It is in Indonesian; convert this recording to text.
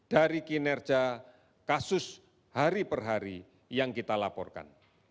dari kinerja kasus hari per hari yang kita laporkan